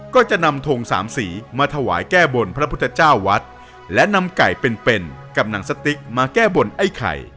ก็จะนำทงสามสีมาถวายแก้บนพระพุทธเจ้าวัดและนำไก่เป็นเป็นกับหนังสติ๊กมาแก้บนไอ้ไข่